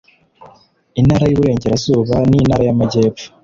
intara y iburengerazuba n intara y amajyepfo